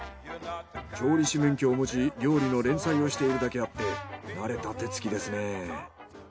調理師免許を持ち料理の連載をしているだけあって慣れた手つきですね。